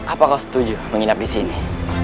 apa kau setuju menginap di sini